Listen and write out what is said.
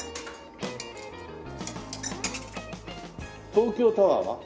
東京タワーは？